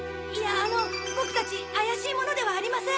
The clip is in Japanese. あのボクたち怪しい者ではありません。